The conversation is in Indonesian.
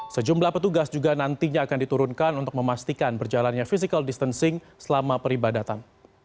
sejumlah petugas juga nantinya akan diturunkan untuk memastikan berjalannya physical distancing selama peribadatan